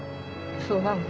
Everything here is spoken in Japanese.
そうなの？